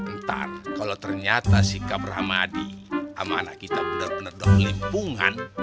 ntar kalo ternyata sikap rahmadi sama anak kita bener bener doang limpungan